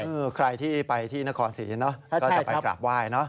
ใครที่ไปที่นครศรีเนอะก็จะไปกราบไหว้เนอะ